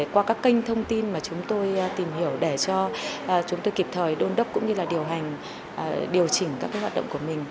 qua các kênh thông tin mà chúng tôi tìm hiểu để cho chúng tôi kịp thời đôn đốc cũng như là điều hành điều chỉnh các hoạt động của mình